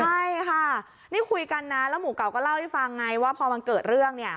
ใช่ค่ะนี่คุยกันนะแล้วหมู่เก่าก็เล่าให้ฟังไงว่าพอมันเกิดเรื่องเนี่ย